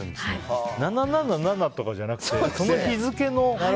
７７７とかじゃなくてその日付の。